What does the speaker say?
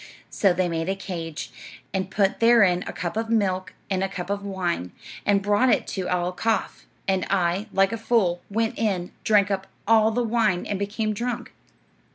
"So they made a cage, and put therein a cup of milk and a cup of wine, and brought it to Al Kaaf; and I, like a fool, went in, drank up all the wine and became drunk.